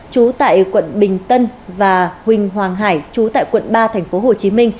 trú tại quận bình tân và huỳnh hoàng hải chú tại quận ba tp hcm